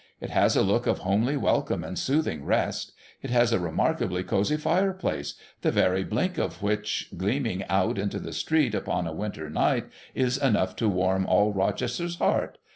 It has a look of homely welcome and soothing rest. It has a remarkably cosy fireside, the very blink of which, gleaming out into the street upon a winter night, is enough to warm all Rochester's heart.